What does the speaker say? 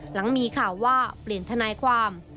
หลังมีข่าวว่าเปลี่ยนทนายความ